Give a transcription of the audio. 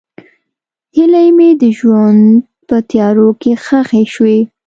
هیلې مې د ژوند په تیارو کې ښخې شوې.